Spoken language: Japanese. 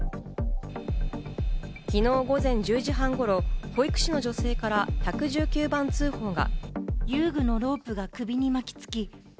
昨日午前１０時半頃、保育士の女性から１１９番通報が。